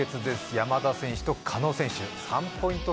山田選手と加納選手３ポイント